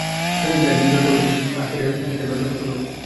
সৈনিকদের একজন দরজা ভেতর থেকে আটকে রাখা দেখে দরজা খুলতে বলে।